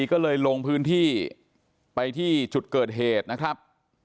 ก็เลยลงพื้นที่ไปที่จุดเกิดเหตุนะครับ